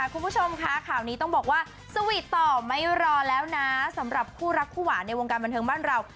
คุณผู้ชมค่ะข่าวนี้ต้องบอกว่าสวีทต่อไม่รอแล้วนะสำหรับคู่รักคู่หวานในวงการบันเทิงบ้านเรา